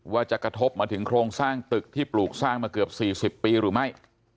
ว่าจะกระทบมาถึงโครงสร้างตึกที่ปลูกสร้างมาเกือบ๔๐ปีหรือไม่